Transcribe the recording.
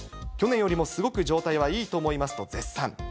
去年よりもすごく状態はいいと思いますと絶賛。